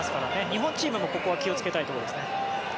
日本チームもここは気をつけたいところです。